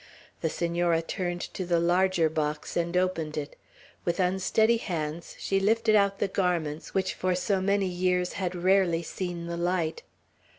The Senora turned to the larger box, and opened it. With unsteady hands she lifted out the garments which for so many years had rarely seen the light.